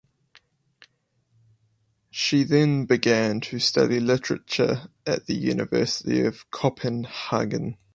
She then began to study literature at the University of Copenhagen.